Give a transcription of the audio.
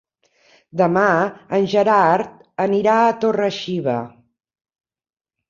Demà en Gerard anirà a Torre-xiva.